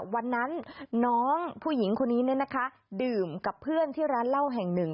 วันนั้นน้องผู้หญิงคนนี้ดื่มกับเพื่อนที่ร้านเหล้าแห่งหนึ่ง